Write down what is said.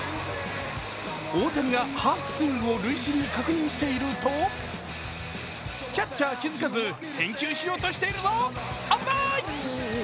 大谷がハーフスイングを塁審に確認していると、キャッチャー気づかず、返球しようとしているぞ、危ない！